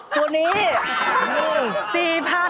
ตัวนี้